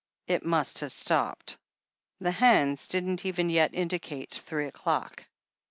It must have stopped The hands did not even yet indicate three o'clock.